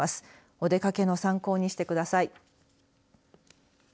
お出かけの参考にしてください。